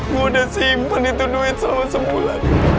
mau udah simpen itu duit selama sebulan